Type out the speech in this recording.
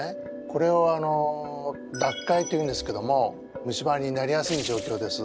これを脱灰というんですけども虫歯になりやすいじょうきょうです。